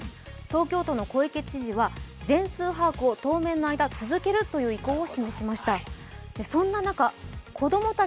東京都の小池知事は全数把握を当面の間、続けるという意向を示しました。